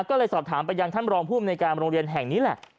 ก็เลยสอบถามไปยังท่านรองภูมิในการโรงเรียนแห่งนี้แหละ